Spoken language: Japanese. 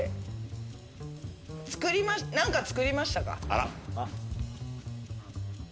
あら。